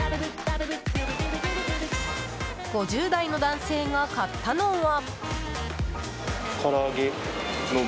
５０代の男性が買ったのは。